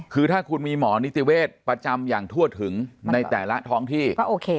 คือถ้าคุณมีหมอนิติเวศประจำอย่างทั่วถึงในแต่ละท้องที่ก็โอเค